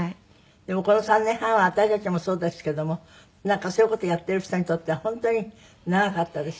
でもこの３年半は私たちもそうですけどもなんかそういう事をやってる人にとっては本当に長かったですよね。